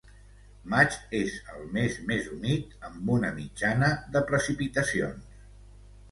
Maig és el mes més humit, amb una mitjana de precipitacions.